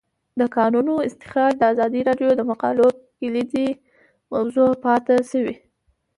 د کانونو استخراج د ازادي راډیو د مقالو کلیدي موضوع پاتې شوی.